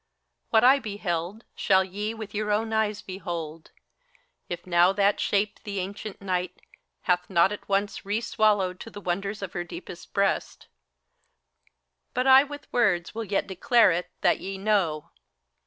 HELENA. What I beheldi shall ye with your own eyes behold, 138 FAUST. If now that shape the ancient Night hath not at once Re swallowed to the wonders of her deepest breast. But I with words will yet declare it, that ye know.